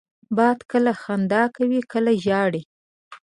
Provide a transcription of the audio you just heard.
باد کله خندا کوي، کله ژاړي